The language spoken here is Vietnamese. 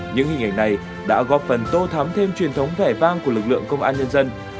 những hình ảnh này đã góp phần tô thắm thêm truyền thống vẻ vang của lực lượng công an nhân dân